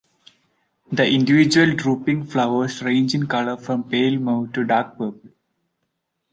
The individual, drooping flowers range in colour from pale mauve to dark purple.